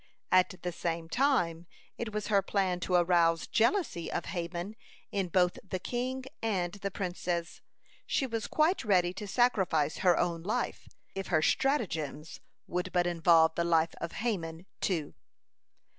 At the same time, it was her plan to arouse jealousy of Haman in both the king and the princes. She was quite ready to sacrifice her own life, if her stratagems would but involve the life of Haman, too.